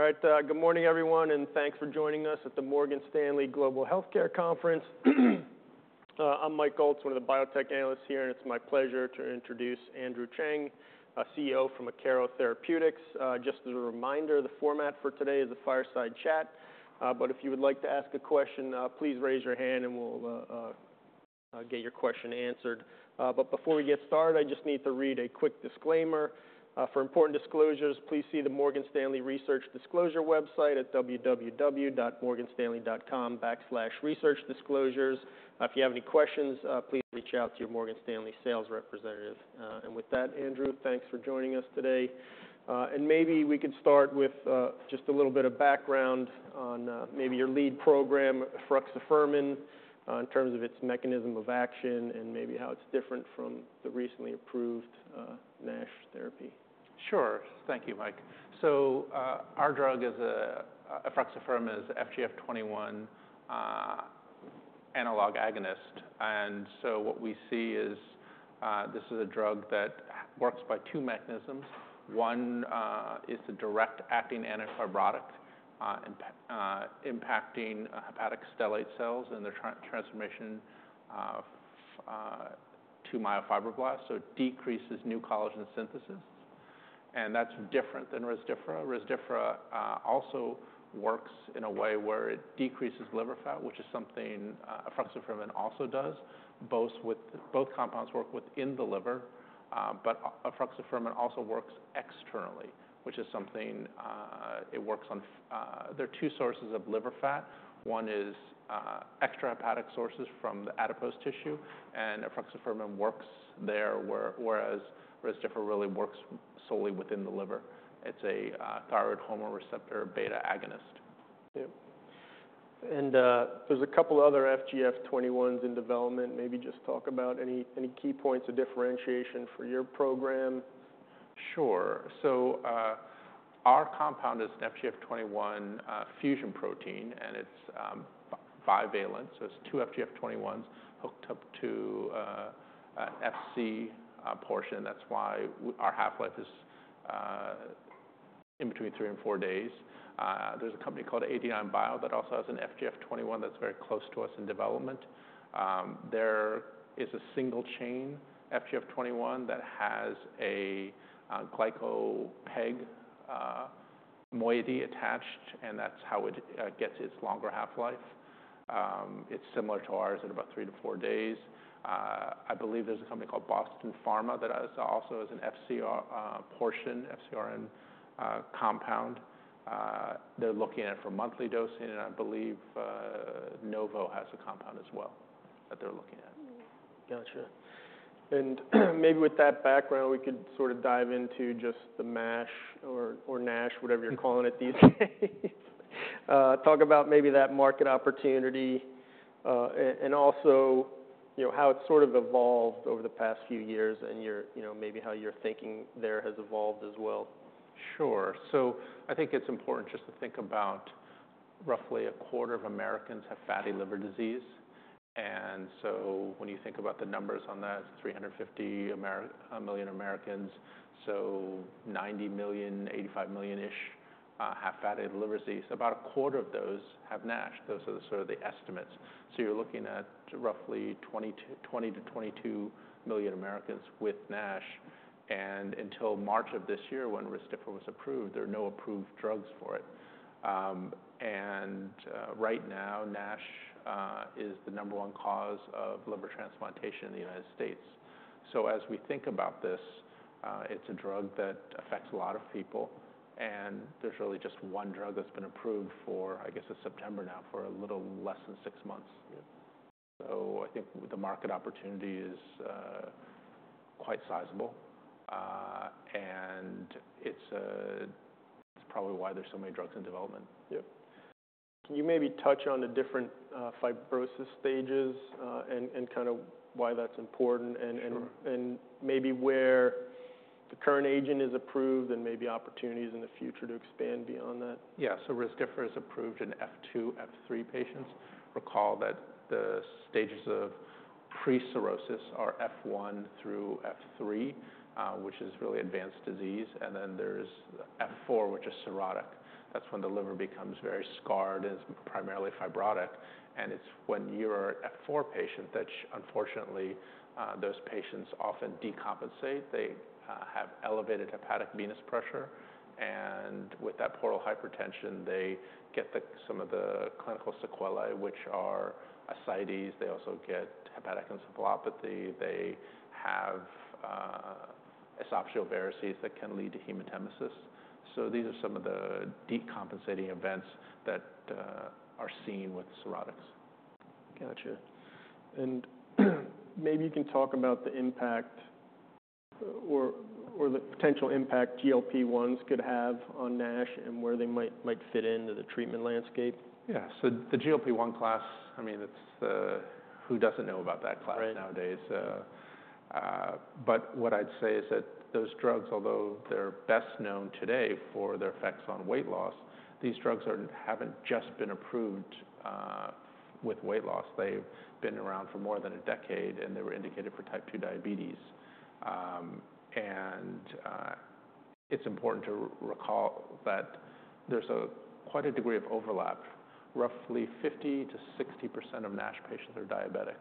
All right, good morning, everyone, and thanks for joining us at the Morgan Stanley Global Healthcare Conference. I'm Michael Ulz, one of the biotech analyst here, and it's my pleasure to introduce Andrew Cheng, a CEO from Akero Therapeutics. Just as a reminder, the format for today is a fireside chat, but if you would like to ask a question, please raise your hand and we'll get your question answered. But before we get started, I just need to read a quick disclaimer. "For important disclosures, please see the Morgan Stanley Research Disclosure website at www.morganstanley.com/researchdisclosures. If you have any questions, please reach out to your Morgan Stanley sales representative." And with that, Andrew, thanks for joining us today. And maybe we could start with just a little bit of background on maybe your lead program, efruxifermin, in terms of its mechanism of action and maybe how it's different from the recently approved NASH therapy. Sure. Thank you, Mike. Our drug is a efruxifermin, is FGF21 analog agonist. What we see is this is a drug that works by two mechanisms. One is the direct-acting antifibrotic impacting hepatic stellate cells and their transformation to myofibroblasts, so it decreases new collagen synthesis, and that's different than Rezdiffra. Rezdiffra also works in a way where it decreases liver fat, which is something efruxifermin also does, both compounds work within the liver. Efruxifermin also works externally, which is something it works on. There are two sources of liver fat. One is extrahepatic sources from the adipose tissue, and efruxifermin works there, whereas Rezdiffra really works solely within the liver. It's a thyroid hormone receptor beta agonist. Yeah. And, there's a couple other FGF21s in development. Maybe just talk about any key points of differentiation for your program. Sure. So, our compound is an FGF21 fusion protein, and it's bivalent, so it's two FGF21s hooked up to a Fc portion. That's why our half-life is in between three and four days. There's a company called 89bio that also has an FGF21 that's very close to us in development. There is a single-chain FGF21 that has a GlycoPEG moiety attached, and that's how it gets its longer half-life. It's similar to ours at about three to four days. I believe there's a company called Boston Pharma that has, also has an Fc portion, FcRn compound. They're looking at it for monthly dosing, and I believe Novo has a compound as well that they're looking at. Gotcha. And maybe with that background, we could sort of dive into just the MASH or NASH, whatever you're calling it these days. Talk about maybe that market opportunity, and also, you know, how it's sort of evolved over the past few years and your, you know, maybe how your thinking there has evolved as well. Sure. So I think it's important just to think about roughly a quarter of Americans have fatty liver disease. And so when you think about the numbers on that, 350 million Americans, so 90 million, 85 million-ish, have fatty liver disease. About a quarter of those have NASH. Those are the sort of the estimates. So you're looking at roughly 20 to 22 million Americans with NASH, and until March of this year, when Rezdiffra was approved, there were no approved drugs for it. And right now, NASH is the number one cause of liver transplantation in the United States. So as we think about this, it's a drug that affects a lot of people, and there's really just one drug that's been approved for, I guess, it's September now, for a little less than six months. Yeah. So I think the market opportunity is quite sizable, and it's probably why there's so many drugs in development. Yep. Can you maybe touch on the different fibrosis stages, and kind of why that's important? Sure... and maybe where the current agent is approved, and maybe opportunities in the future to expand beyond that? Yeah, so Rezdiffra is approved in F2, F3 patients. Recall that the stages of pre-cirrhosis are F1 through F3, which is really advanced disease, and then there's F4, which is cirrhotic. That's when the liver becomes very scarred and is primarily fibrotic, and it's when you're an F4 patient that unfortunately, those patients often decompensate. They have elevated hepatic venous pressure, and with that portal hypertension, they get some of the clinical sequelae, which are ascites. They also get hepatic encephalopathy. They have esophageal varices that can lead to hematemesis, so these are some of the decompensating events that are seen with cirrhotics. Gotcha. And maybe you can talk about the impact or the potential impact GLP-1s could have on NASH and where they might fit into the treatment landscape. Yeah. So the GLP-1 class, I mean, it's who doesn't know about that class- Right... nowadays? But what I'd say is that those drugs, although they're best known today for their effects on weight loss, these drugs haven't just been approved with weight loss. They've been around for more than a decade, and they were indicated for type 2 diabetes, and it's important to recall that there's quite a degree of overlap. Roughly 50%-60% of NASH patients are diabetic,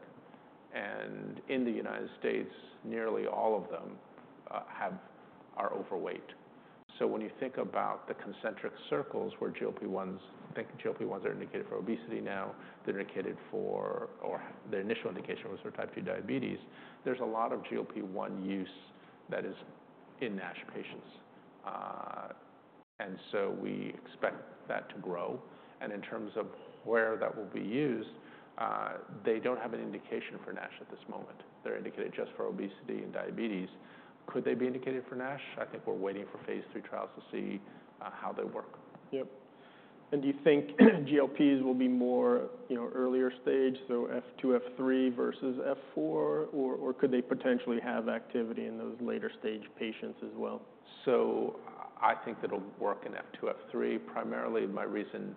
and in the United States, nearly all of them are overweight. So when you think about the concentric circles, where GLP-1s, I think GLP-1s are indicated for obesity now, or their initial indication was for type 2 diabetes. There's a lot of GLP-1 use that is in NASH patients, and so we expect that to grow. In terms of where that will be used, they don't have an indication for NASH at this moment. They're indicated just for obesity and diabetes. Could they be indicated for NASH? I think we're waiting for phase III trials to see how they work. Yep. And do you think GLPs will be more, you know, earlier stage, so F2, F3 versus F4, or could they potentially have activity in those later-stage patients as well? So I think it'll work in F2, F3. Primarily, my reason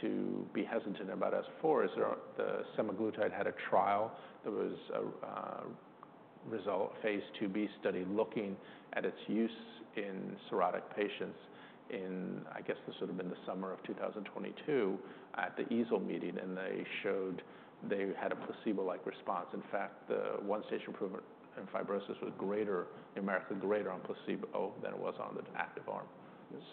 to be hesitant about F4 is the semaglutide had a trial that was a phase IIb study, looking at its use in cirrhotic patients in, I guess, this would have been the summer of 2022 at the EASL meeting, and they showed they had a placebo-like response. In fact, the one-stage improvement in fibrosis was greater, numerically greater on placebo than it was on the active arm.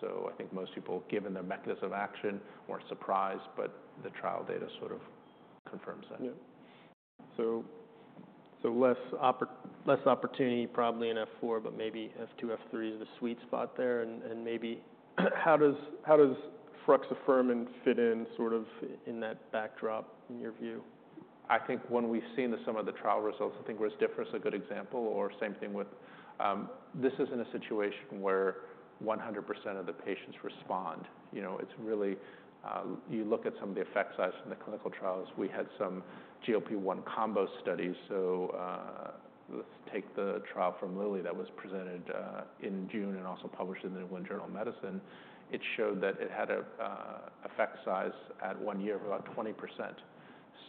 So I think most people, given their mechanism of action, weren't surprised, but the trial data sort of confirms that. Yeah. So less opportunity probably in F4, but maybe F2, F3 is a sweet spot there. And maybe, how does efruxifermin fit in, sort of in that backdrop, in your view? I think when we've seen some of the trial results, I think where it's different is a good example, or same thing, this isn't a situation where 100% of the patients respond. You know, it's really you look at some of the effect size in the clinical trials. We had some GLP-1 combo studies, so let's take the trial from Lilly that was presented in June and also published in the New England Journal of Medicine. It showed that it had a effect size at one year of about 20%.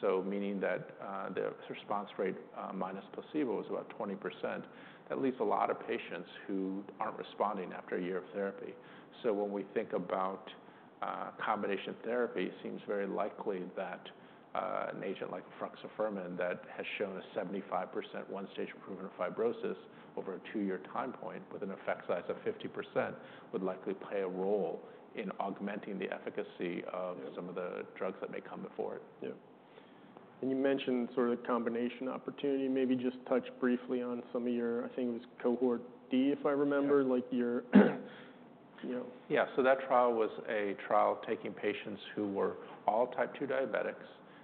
So meaning that the response rate minus placebo was about 20%. That leaves a lot of patients who aren't responding after a year of therapy. So when we think about combination therapy, it seems very likely that an agent like efruxifermin, that has shown a 75% one-stage improvement of fibrosis over a two-year time point with an effect size of 50%, would likely play a role in augmenting the efficacy of- Yeah some of the drugs that may come before it. Yeah. And you mentioned sort of combination opportunity. Maybe just touch briefly on some of your, I think it was cohort D, if I remember. Yeah. Like, you know. Yeah. So that trial was a trial taking patients who were all type 2 diabetics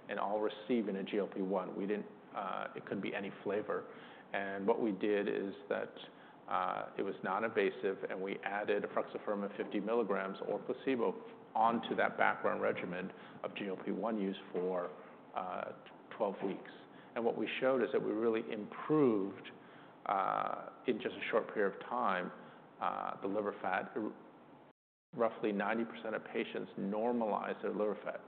and all receiving a GLP-1. We didn't. It could be any flavor. And what we did is that, it was non-invasive, and we added efruxifermin 50 mg or placebo onto that background regimen of GLP-1 use for 12 weeks. And what we showed is that we really improved in just a short period of time the liver fat. Roughly 90% of patients normalized their liver fat.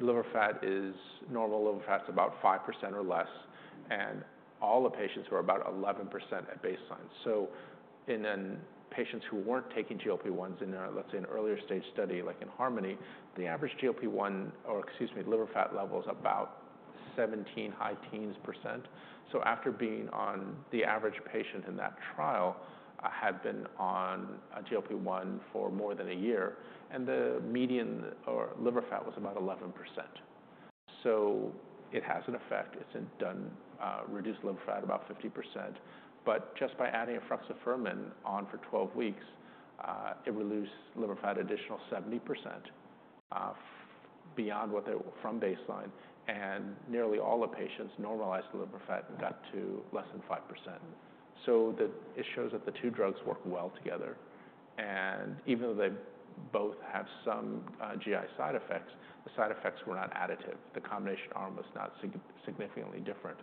Liver fat is... Normal liver fat is about 5% or less, and all the patients were about 11% at baseline. So and then, patients who weren't taking GLP-1s in a, let's say, an earlier stage study, like in HARMONY, the average GLP-1, or excuse me, liver fat level is about 17, high teens%. The average patient in that trial had been on a GLP-1 for more than a year, and the median liver fat was about 11%. It has an effect. It has reduced liver fat about 50%, but just by adding efruxifermin on for 12 weeks, it reduced liver fat additional 70% from baseline, and nearly all the patients normalized liver fat and got to less than 5%. It shows that the two drugs work well together, and even though they both have some GI side effects, the side effects were not additive. The combination arm was not significantly different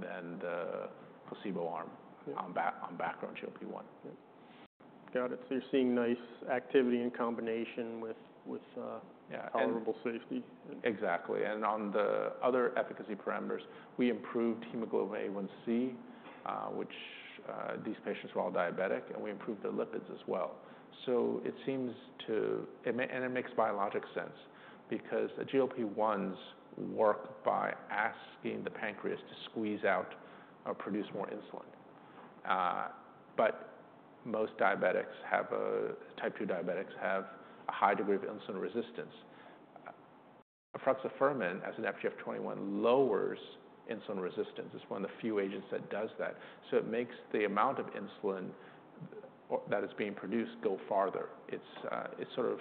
than the placebo arm- Yeah on background GLP-1. Yeah. Got it. So you're seeing nice activity in combination with, Yeah, and- Tolerable safety. Exactly. And on the other efficacy parameters, we improved hemoglobin A1c, which these patients were all diabetic, and we improved their lipids as well. So it seems to. And it makes biological sense because the GLP-1s work by asking the pancreas to squeeze out or produce more insulin. But most diabetics have type 2 diabetics, have a high degree of insulin resistance. Efruxifermin, as an FGF21, lowers insulin resistance. It's one of the few agents that does that. So it makes the amount of insulin, or, that is being produced go farther. It sort of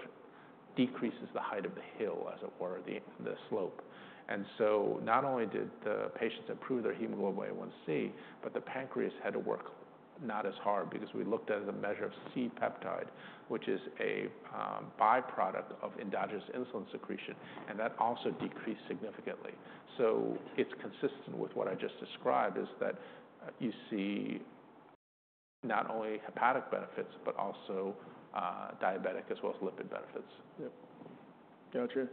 decreases the height of the hill, as it were, the slope. And so not only did the patients improve their hemoglobin A1c, but the pancreas had to work not as hard because we looked at it as a measure of C-peptide, which is a by-product of endogenous insulin secretion, and that also decreased significantly. So it's consistent with what I just described, is that you see not only hepatic benefits, but also diabetic as well as lipid benefits. Yep. Gotcha.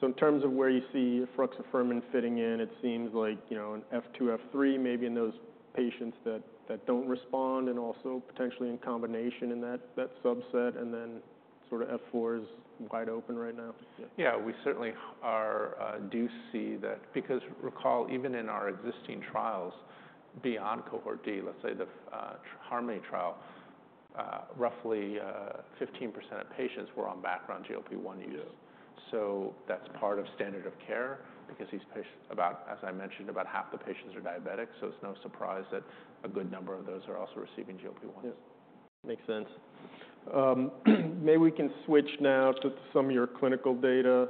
So in terms of where you see efruxifermin fitting in, it seems like, you know, in F2, F3, maybe in those patients that don't respond, and also potentially in combination in that subset, and then sort of F4 is wide open right now? Yeah, we certainly are do see that, because recall, even in our existing trials beyond cohort D, let's say the HARMONY trial, roughly 15% of patients were on background GLP-1 use. Yeah. So that's part of standard of care because these patients, as I mentioned, about half the patients are diabetic, so it's no surprise that a good number of those are also receiving GLP-1. Yeah, makes sense. Maybe we can switch now to some of your clinical data.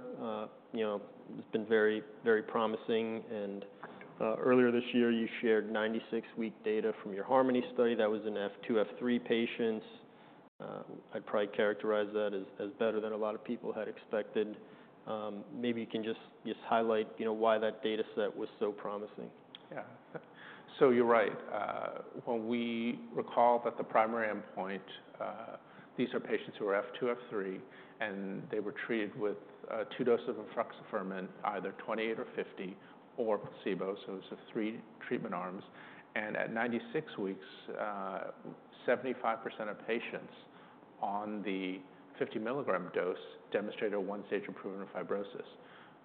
You know, it's been very, very promising and, earlier this year, you shared 96-week data from your HARMONY study. That was in F2, F3 patients. I'd probably characterize that as better than a lot of people had expected. Maybe you can just highlight, you know, why that data set was so promising. Yeah. So you're right. When we recall that the primary endpoint, these are patients who are F2, F3, and they were treated with two doses of efruxifermin, either 28 or 50 or placebo, so it's a three treatment arms. And at 96 weeks, 75% of patients on the 50 mg dose demonstrated a one-stage improvement of fibrosis.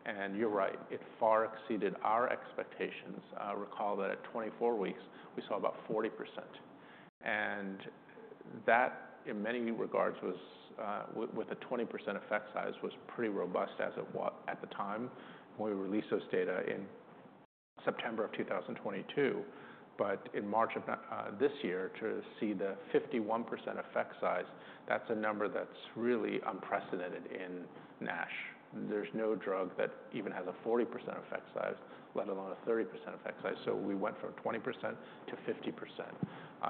And you're right, it far exceeded our expectations. Recall that at 24 weeks, we saw about 40%, and that, in many regards, was with a 20% effect size, was pretty robust as it at the time when we released those data in September 2022. But in March of this year, to see the 51% effect size, that's a number that's really unprecedented in NASH. There's no drug that even has a 40% effect size, let alone a 30% effect size. So we went from 20% to 50%,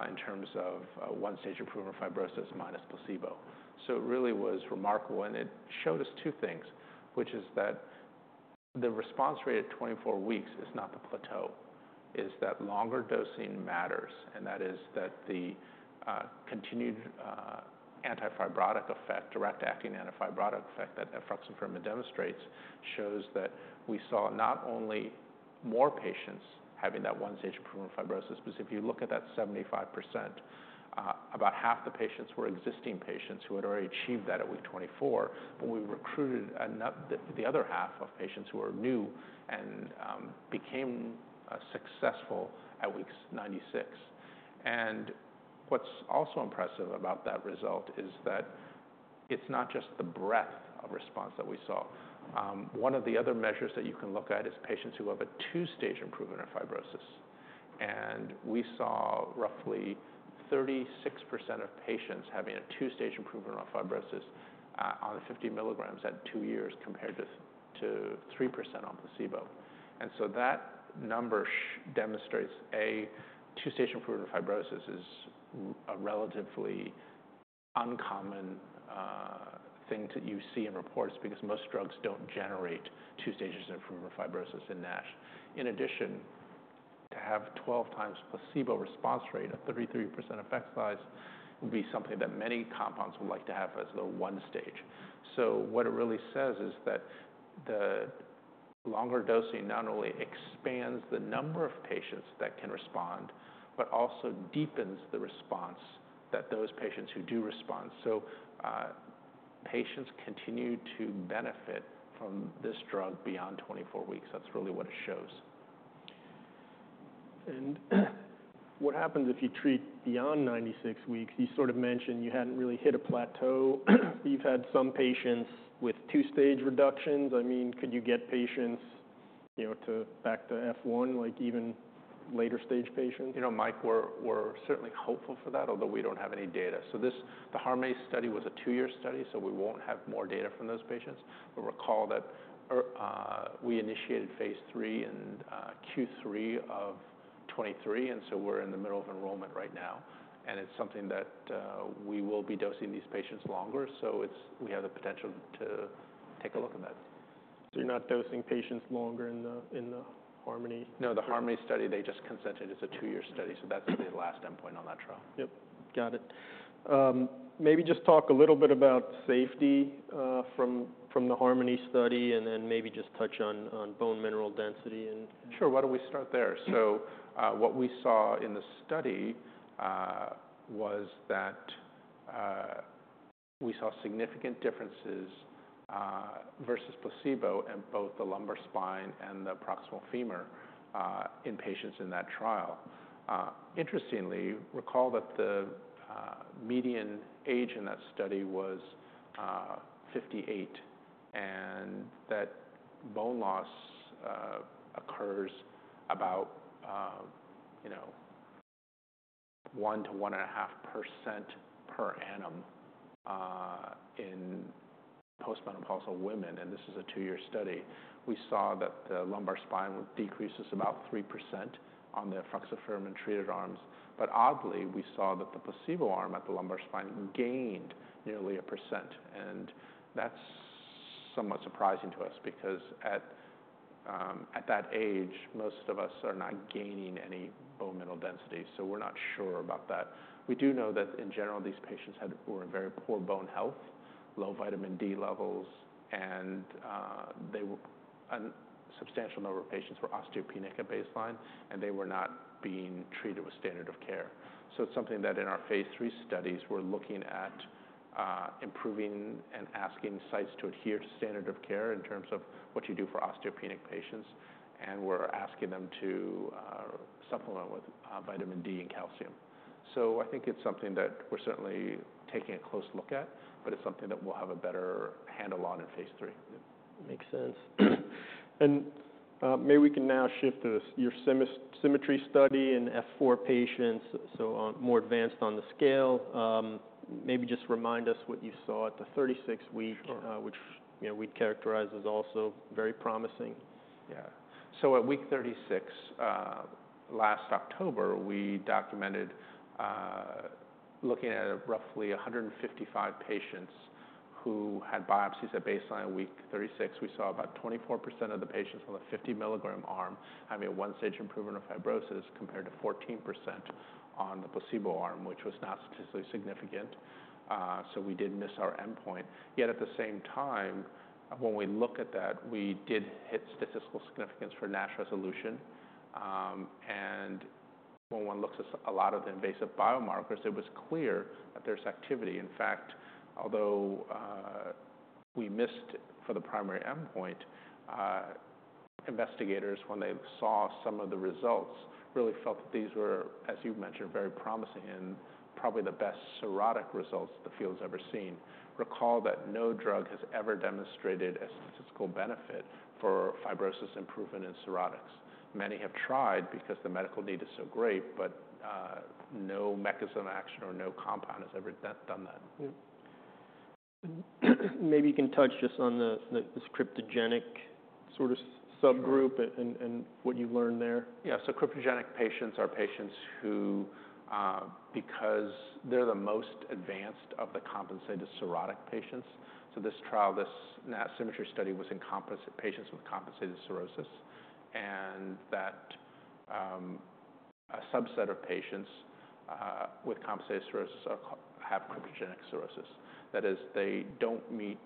in terms of, one-stage improvement fibrosis minus placebo. So it really was remarkable, and it showed us two things, which is that the response rate at 24 weeks is not the plateau, is that longer dosing matters, and that is that the, continued, anti-fibrotic effect, direct acting anti-fibrotic effect, that efruxifermin demonstrates, shows that we saw not only more patients having that one-stage improvement fibrosis, because if you look at that 75%, about half the patients were existing patients who had already achieved that at week 24. But we recruited the other half of patients who were new and, became, successful at week 96. What's also impressive about that result is that it's not just the breadth of response that we saw. One of the other measures that you can look at is patients who have a two-stage improvement in fibrosis, and we saw roughly 36% of patients having a two-stage improvement on fibrosis on 50 mg at two years, compared to 3% on placebo. And so that number demonstrates a two-stage improvement of fibrosis is a relatively uncommon thing that you see in reports, because most drugs don't generate two stages of improvement fibrosis in NASH. In addition, to have 12 times placebo response rate at 33% effect size, would be something that many compounds would like to have as the one stage. So what it really says is that the longer dosing not only expands the number of patients that can respond, but also deepens the response that those patients who do respond. So, patients continue to benefit from this drug beyond 24 weeks. That's really what it shows. And what happens if you treat beyond 96 weeks? You sort of mentioned you hadn't really hit a plateau. You've had some patients with two-stage reductions. I mean, could you get patients, you know, to back to F1, like even later stage patients? You know, Mike, we're certainly hopeful for that, although we don't have any data. So this, the HARMONY study was a two-year study, so we won't have more data from those patients. But recall that we initiated phase III in Q3 of 2023, and so we're in the middle of enrollment right now, and it's something that we will be dosing these patients longer. So we have the potential to take a look at that. So you're not dosing patients longer in the HARMONY? No, the HARMONY study, they just consented. It's a two-year study, so that's the last endpoint on that trial. Yep, got it. Maybe just talk a little bit about safety from the HARMONY study, and then maybe just touch on bone mineral density and- Sure, why don't we start there? So, what we saw in the study was that we saw significant differences versus placebo in both the lumbar spine and the proximal femur in patients in that trial. Interestingly, recall that the median age in that study was 58, and that bone loss occurs about you know 1-1.5% per annum in post-menopausal women, and this is a 2-year study. We saw that the lumbar spine decreases about 3% on the efruxifermin-treated arms. But oddly, we saw that the placebo arm at the lumbar spine gained nearly 1%, and that's somewhat surprising to us because at that age, most of us are not gaining any bone mineral density, so we're not sure about that. We do know that in general, these patients were in very poor bone health, low vitamin D levels, and substantial number of patients were osteopenic at baseline, and they were not being treated with standard of care. So it's something that in our phase III studies, we're looking at improving and asking sites to adhere to standard of care in terms of what you do for osteopenic patients, and we're asking them to supplement with vitamin D and calcium. So I think it's something that we're certainly taking a close look at, but it's something that we'll have a better handle on in phase III. Makes sense. And, maybe we can now shift to your SYMMETRY study in F4 patients, so on more advanced on the scale. Maybe just remind us what you saw at the 36-week- Sure... which, you know, we'd characterize as also very promising. Yeah. So at week 36, last October, we documented looking at roughly 155 patients who had biopsies at baseline week 36. We saw about 24% of the patients on the 50 mg arm having a one-stage improvement of fibrosis, compared to 14% on the placebo arm, which was not statistically significant, so we did miss our endpoint. Yet, at the same time, when we look at that, we did hit statistical significance for NASH resolution. And when one looks at a lot of the invasive biomarkers, it was clear that there's activity. In fact, although we missed for the primary endpoint, investigators, when they saw some of the results, really felt that these were, as you've mentioned, very promising and probably the best cirrhotic results the field's ever seen. Recall that no drug has ever demonstrated a statistical benefit for fibrosis improvement in cirrhotics. Many have tried because the medical need is so great, but no mechanism of action or no compound has ever done that. Yeah. Maybe you can touch just on the cryptogenic sort of subgroup- Sure... and what you've learned there. Yeah, so cryptogenic patients are patients who, because they're the most advanced of the compensated cirrhotic patients, so this trial, this NASH SYMMETRY study, was in patients with compensated cirrhosis. And that, a subset of patients with compensated cirrhosis have cryptogenic cirrhosis. That is, they don't meet.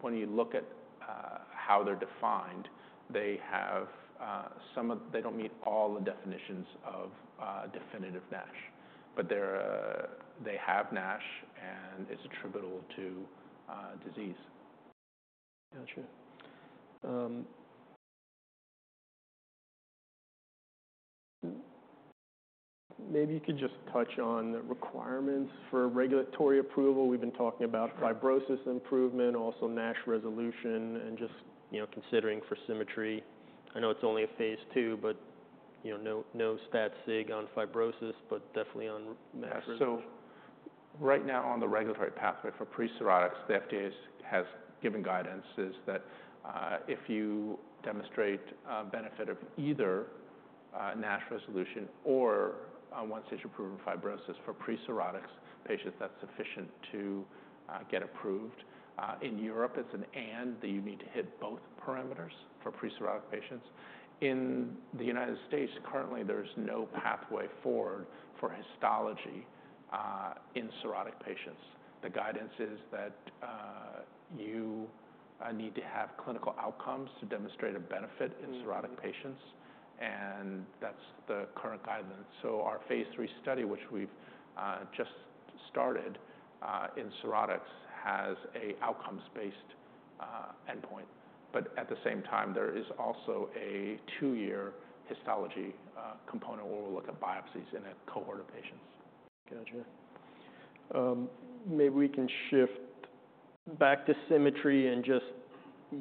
When you look at how they're defined, they don't meet all the definitions of definitive NASH, but they have NASH, and it's attributable to disease. Gotcha. Maybe you could just touch on the requirements for regulatory approval. We've been talking about fibrosis improvement, also NASH resolution, and just, you know, considering for SYMMETRY. I know it's only a phase II, but, you know, no, no stat sig on fibrosis, but definitely on NASH resolution. Yeah. So right now, on the regulatory pathway for pre-cirrhotic patients, the FDA has given guidances that, if you demonstrate a benefit of either, NASH resolution or, one stage improvement fibrosis for pre-cirrhotic patients, that's sufficient to get approved. In Europe, it's an and that you need to hit both parameters for pre-cirrhotic patients. In the United States, currently, there's no pathway forward for histology in cirrhotic patients. The guidance is that you need to have clinical outcomes to demonstrate a benefit- Mm-hmm... in cirrhotic patients, and that's the current guidance. Our phase III study, which we've just started in cirrhotics, has an outcomes-based endpoint, but at the same time, there is also a two-year histology component where we'll look at biopsies in a cohort of patients. Gotcha. Maybe we can shift back to SYMMETRY and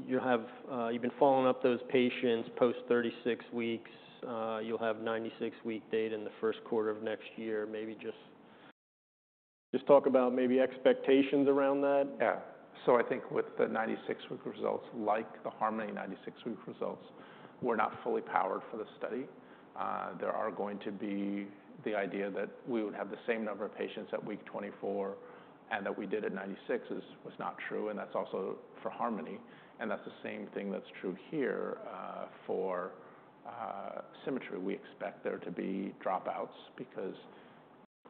you have, you've been following up those patients post 36 weeks. You'll have 96-week data in the first quarter of next year. Maybe just talk about maybe expectations around that. Yeah. So I think with the 96-week results, like the HARMONY 96-week results, we're not fully powered for the study. There are going to be the idea that we would have the same number of patients at week 24 and that we did at 96 was not true, and that's also for HARMONY, and that's the same thing that's true here. For SYMMETRY, we expect there to be dropouts because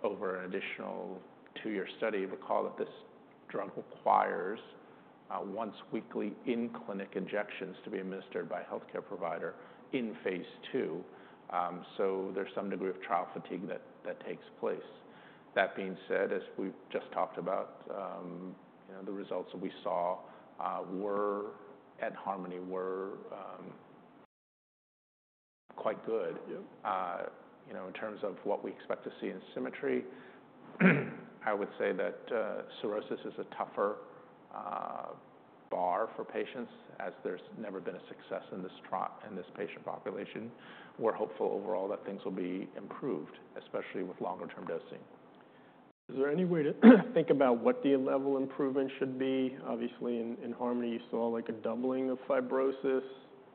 over an additional two-year study, recall that this drug requires a once-weekly in-clinic injections to be administered by a healthcare provider in phase II, so there's some degree of trial fatigue that takes place. That being said, as we've just talked about, you know, the results that we saw at HARMONY were quite good. Yep. You know, in terms of what we expect to see in SYMMETRY, I would say that cirrhosis is a tougher bar for patients, as there's never been a success in this patient population. We're hopeful overall that things will be improved, especially with longer-term dosing. Is there any way to think about what the level improvement should be? Obviously, in HARMONY, you saw, like, a doubling of fibrosis.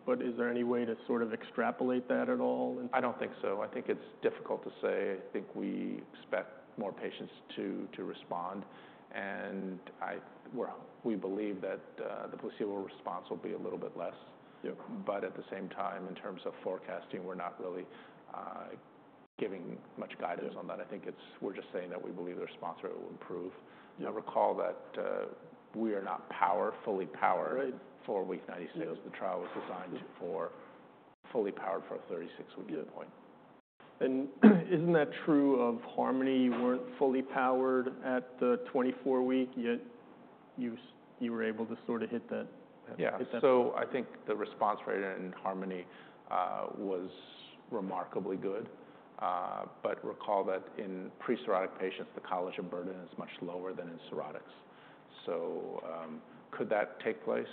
But is there any way to sort of extrapolate that at all? I don't think so. I think it's difficult to say. I think we expect more patients to respond, and, well, we believe that the placebo response will be a little bit less. Yep. But at the same time, in terms of forecasting, we're not really giving much guidance- Yeah on that. I think it's. We're just saying that we believe the response rate will improve. Yeah. Recall that we are not fully powered. Right for week 96. Yeah. The trial was designed to be fully powered for a 36-week endpoint. Isn't that true of HARMONY? You weren't fully powered at the twenty-four week, yet you were able to sort of hit that, hit that- Yeah. So I think the response rate in HARMONY was remarkably good. But recall that in pre-cirrhotic patients, the collagen burden is much lower than in cirrhotics. So, could that take place?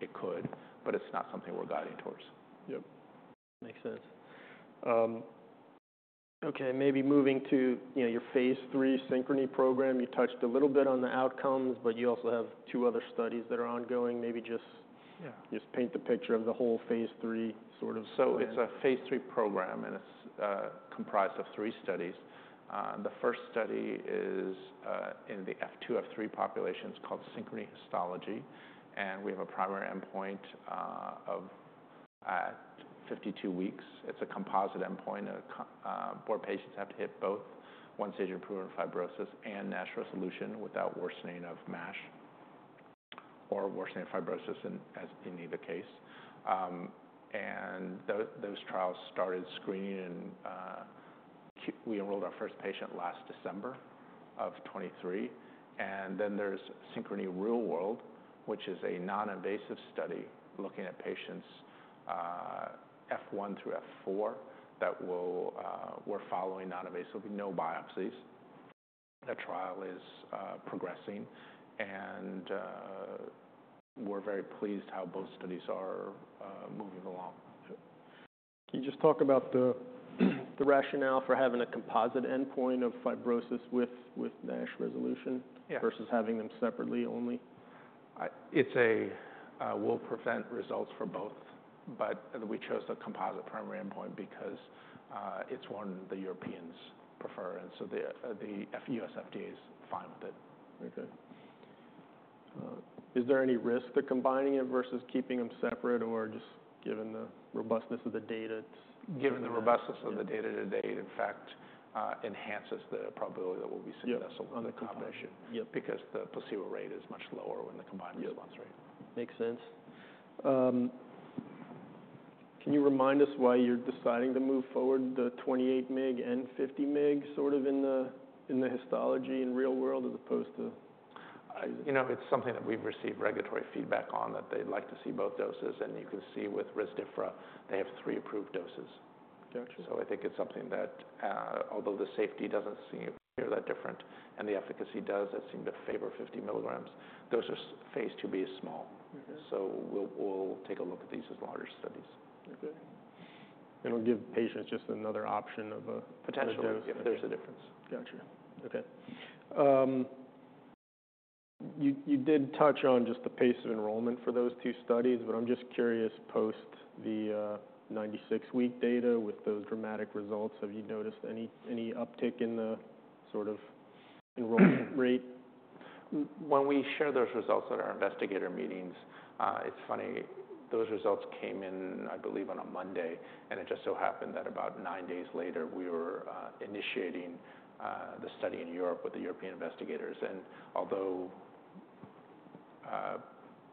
It could, but it's not something we're guiding towards. Yep, makes sense. Okay, maybe moving to, you know, your phase III SYNCHRONY program. You touched a little bit on the outcomes, but you also have two other studies that are ongoing. Maybe just- Yeah just paint the picture of the whole phase 3 sort of. It's a phase 3 program, and it's comprised of three studies. The first study is in the F2-F3 population. It's called SYNCHRONY Histology, and we have a primary endpoint of at 52 weeks. It's a composite endpoint where patients have to hit both one stage improvement in fibrosis and NASH resolution without worsening of MASH or worsening fibrosis in either case. And those trials started screening. We enrolled our first patient last December of 2023. And then there's SYNCHRONY Real-World, which is a non-invasive study, looking at patients F1 through F4, that we're following non-invasively, no biopsies. That trial is progressing, and we're very pleased how both studies are moving along. Can you just talk about the rationale for having a composite endpoint of fibrosis with NASH resolution- Yeah versus having them separately only? It's a. We'll present results for both, but we chose the composite primary endpoint because it's one the Europeans prefer, and so the U.S. FDA is fine with it. Okay. Is there any risk to combining them versus keeping them separate, or just given the robustness of the data it's- Given the robustness of the data to date, in fact, enhances the probability that we'll be successful- Yeah -on the combination. Yep. Because the placebo rate is much lower when the combined response rate. Makes sense. Can you remind us why you're deciding to move forward the 28 mg and 50 mg, sort of in the Histology and Real-World, as opposed to...? You know, it's something that we've received regulatory feedback on, that they'd like to see both doses. And you can see with Rezdiffra, they have three approved doses. Gotcha. I think it's something that, although the safety doesn't seem not that different and the efficacy does, it seemed to favor 50 mg. Doses phase IIB is small. Mm-hmm. So we'll take a look at these as larger studies. Okay. It'll give patients just another option of a- Potentially, if there's a difference. Gotcha. Okay. You did touch on just the pace of enrollment for those two studies, but I'm just curious, post the ninety-six-week data with those dramatic results, have you noticed any uptick in the sort of enrollment rate? When we share those results at our investigator meetings, it's funny. Those results came in, I believe, on a Monday, and it just so happened that about nine days later, we were initiating the study in Europe with the European investigators, and although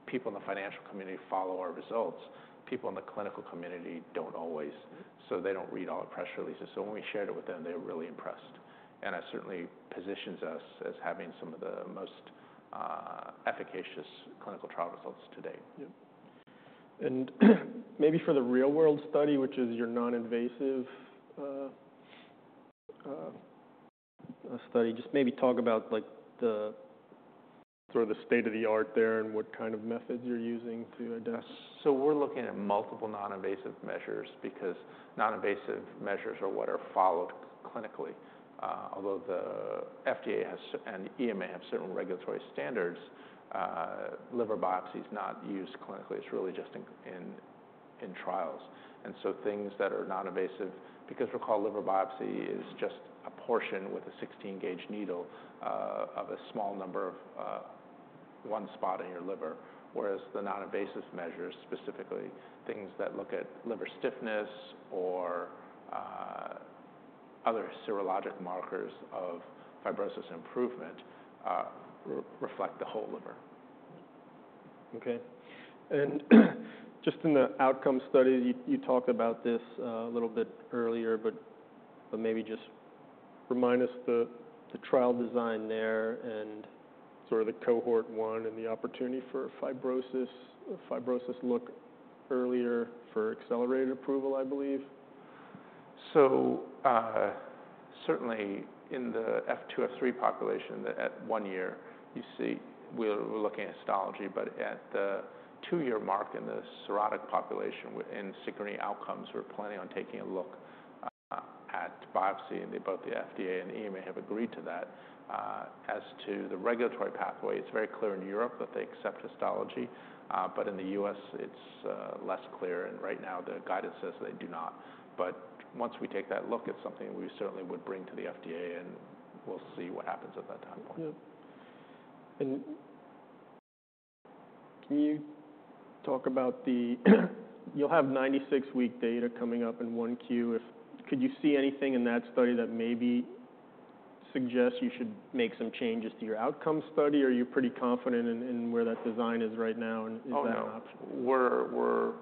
people in the financial community follow our results, people in the clinical community don't always. Mm-hmm. So they don't read all the press releases. So when we shared it with them, they were really impressed. And it certainly positions us as having some of the most efficacious clinical trial results to date. Yep. And maybe for the real-world study, which is your non-invasive study, just maybe talk about like the sort of the state-of-the-art there and what kind of methods you're using to adjust. So we're looking at multiple non-invasive measures because non-invasive measures are what are followed clinically. Although the FDA has, and EMA have certain regulatory standards, liver biopsy is not used clinically. It's really just in trials. And so things that are non-invasive. Because recall, liver biopsy is just a portion with a sixteen-gauge needle, of a small number of one spot in your liver, whereas the non-invasive measures, specifically things that look at liver stiffness or other serologic markers of fibrosis improvement, reflect the whole liver. Okay. And just in the outcome study, you talked about this a little bit earlier, but maybe just remind us the trial design there and sort of the cohort one and the opportunity for a fibrosis look earlier for accelerated approval, I believe. Certainly in the F2-F3 population, that at one year you see we're looking at histology, but at the two-year mark in the cirrhotic population in SYNCHRONY Outcomes, we're planning on taking a look at biopsy, and both the FDA and EMA have agreed to that. As to the regulatory pathway, it's very clear in Europe that they accept histology, but in the US it's less clear, and right now the guidance says they do not. Once we take that look, it's something we certainly would bring to the FDA, and we'll see what happens at that time. Yeah. And can you talk about the 96-week data you'll have coming up in 1Q. Could you see anything in that study that maybe suggests you should make some changes to your outcome study? Or are you pretty confident in where that design is right now, and is that an option? Oh, no.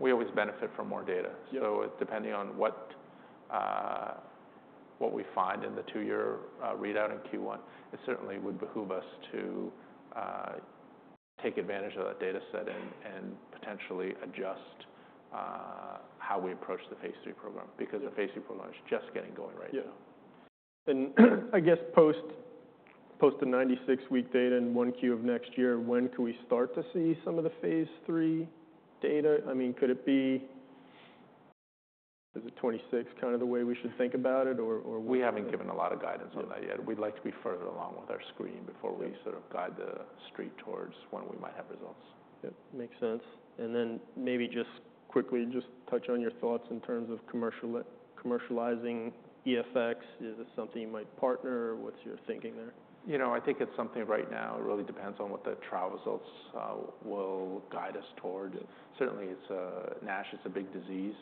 We always benefit from more data. Yeah. So depending on what we find in the two-year readout in Q1, it certainly would behoove us to take advantage of that data set and potentially adjust how we approach the phase III program. Yeah because the phase III program is just getting going right now. Yeah. And I guess post the 96-week data in 1Q of next year, when could we start to see some of the phase 3 data? I mean, could it be, is it 2026, kind of the way we should think about it, or, or what- We haven't given a lot of guidance on that yet. Yeah. We'd like to be further along with our screening before- Yeah We sort of guide the Street towards when we might have results. Yeah, makes sense. And then maybe just quickly, just touch on your thoughts in terms of commercializing EFX. Is this something you might partner? What's your thinking there? You know, I think it's something right now. It really depends on what the trial results will guide us toward. Certainly, NASH is a big disease,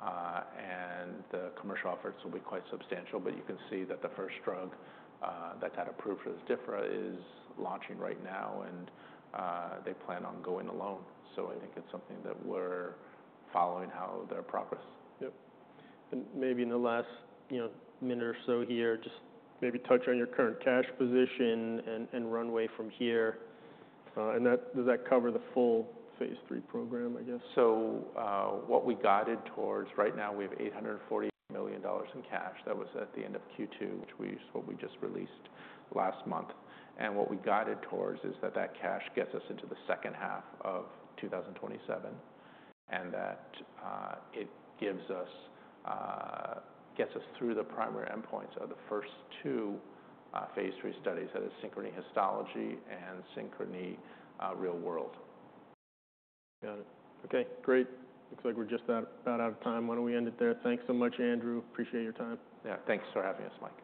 and the commercial efforts will be quite substantial, but you can see that the first drug that got approved for this, Rezdiffra, is launching right now, and they plan on going alone. So I think it's something that we're following how their progress. Yep, and maybe in the last, you know, minute or so here, just maybe touch on your current cash position and runway from here, and does that cover the full phase III program, I guess? What we guided towards right now, we have $840 million in cash. That was at the end of Q2, which we just released last month. And what we guided towards is that, that cash gets us into the second half of 2027, and that, it gives us, gets us through the primary endpoints of the first two, phase 3 studies, that is SYNCHRONY Histology and SYNCHRONY Real-World. Got it. Okay, great. Looks like we're just about out of time. Why don't we end it there? Thanks so much, Andrew. Appreciate your time. Yeah, thanks for having us, Mike.